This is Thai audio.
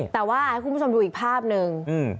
แต่ว่าให้คุณผู้ชมดูอีกภาพหนึ่ง